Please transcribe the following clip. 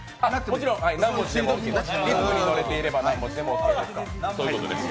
もちろんリズムに乗れていれば何文字でもオーケーです。